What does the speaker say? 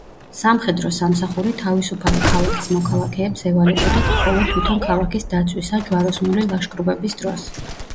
სამხედრო სამსახური თავისუფალი ქალაქის მოქალაქეებს ევალებოდათ მხოლოდ თვითონ ქალაქის დაცვის ან ჯვაროსნული ლაშქრობების დროს.